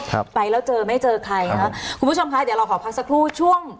ครับไปแล้วเจอไม่เจอใครนะคะคุณผู้ชมคะเดี๋ยวเราขอพักสักครู่ช่วง